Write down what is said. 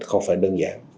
không phải đơn giản